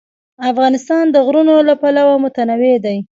افغانستان د غرونه له پلوه متنوع دی.